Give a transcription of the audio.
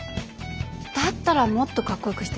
だったらもっとかっこよくしてみたら。